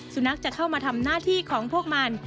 สุนัขจะเข้ามาทำหน้าที่ของพวกมัน